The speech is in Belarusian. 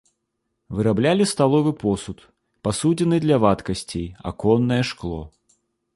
Выраблялі сталовы посуд, пасудзіны для вадкасцей, аконнае шкло.